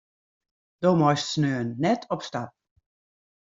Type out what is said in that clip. Do meist sneon net op stap.